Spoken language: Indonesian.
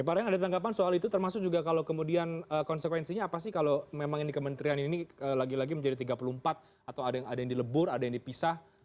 pak ren ada tanggapan soal itu termasuk juga kalau kemudian konsekuensinya apa sih kalau memang ini kementerian ini lagi lagi menjadi tiga puluh empat atau ada yang dilebur ada yang dipisah